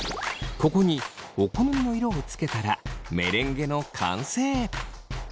ここにお好みの色をつけたらメレンゲの完成！